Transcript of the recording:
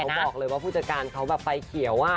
เขาบอกเลยว่าผู้จัดการเขาแบบไฟเขียว